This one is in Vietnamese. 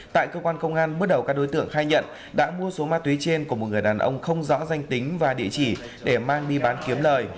tại cơ quan công an bước đầu các đối tượng khai nhận đã mua số ma túy trên của một người đàn ông không rõ danh tính và địa chỉ để mang đi bán kiếm lời